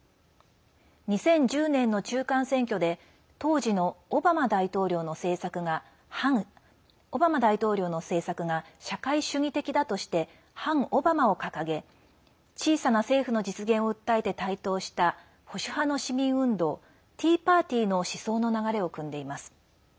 ２０１０年の中間選挙で当時のオバマ大統領の政策が社会主義的だとして反オバマを掲げ小さな政府の実現を訴えて台頭した保守派の市民運動ティーパーティーの思想の流れをくんでいます。